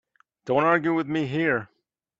Don't argue with me here.